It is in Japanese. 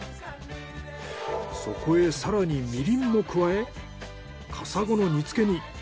そこへ更にみりんも加えカサゴの煮付けに。